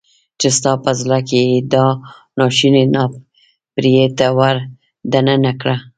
چې ستا په زړه کې يې دا ناشونی ناپړیته ور دننه کړه.